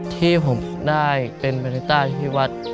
ที่ผมได้เป็นบริษัทที่วัด